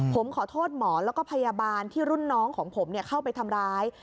ผมขอโทษหมอแล้วก็พยาบาลที่รุ่นน้องของผมเข้าไปทำร้าย